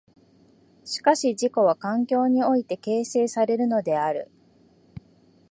しかし自己は環境において形成されるのである。